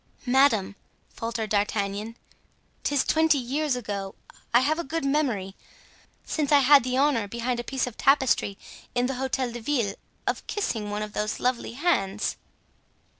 "Madame," faltered D'Artagnan, "'tis twenty years ago—I have a good memory—since I had the honor behind a piece of tapestry in the Hotel de Ville, of kissing one of those lovely hands."